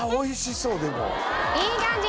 いい感じ！